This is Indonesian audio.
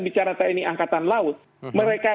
bicara tadi ini angkatan laut mereka